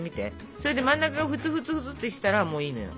それで真ん中がふつふつふつってしたらもういいのよ。